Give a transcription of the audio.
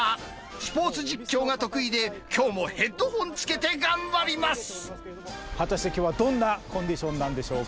スポーツ実況が得意で、きょうも果たしてきょうはどんなコンディションなんでしょうか。